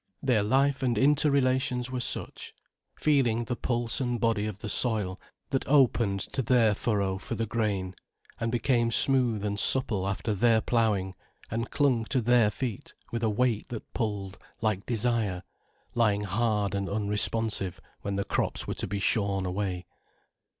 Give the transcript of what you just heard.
Their life and interrelations were such; feeling the pulse and body of the soil, that opened to their furrow for the grain, and became smooth and supple after their ploughing, and clung to their feet with a weight that pulled like desire, lying hard and unresponsive when the crops were to be shorn away.